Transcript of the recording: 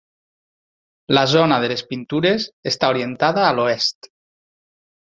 La zona de les pintures està orientada a l'oest.